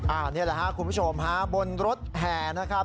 อ่าเนี่ยแหละฮะคุณผู้ชมฮะบนรถแห่นะครับ